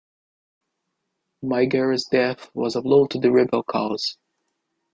Maguire's death was a blow to the rebel cause.